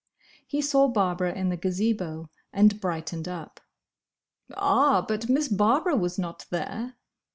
He saw Barbara in the Gazebo, and brightened up. "Ah! but Miss Barbara was not there!"